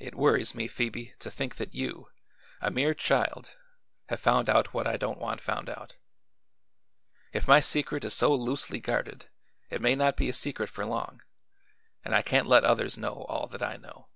"It worries me, Phoebe, to think that you a mere child have found out what I don't want found out. If my secret is so loosely guarded, it may not be a secret for long, and I can't let others know all that I know.